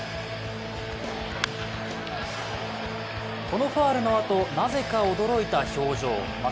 このファウルのあとなぜか驚いた表情。